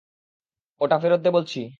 ওটা ফেরত দে বলছি!